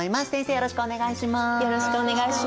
よろしくお願いします。